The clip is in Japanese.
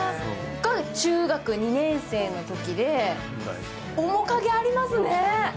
中学２年生のときで面影ありますね。